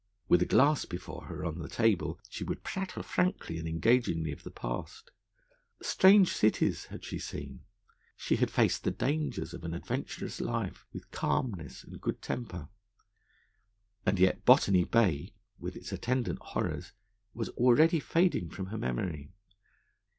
With a glass before her on the table, she would prattle frankly and engagingly of the past. Strange cities had she seen; she had faced the dangers of an adventurous life with calmness and good temper. And yet Botany Bay, with its attendant horrors, was already fading from her memory.